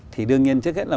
thì đương nhiên trước hết là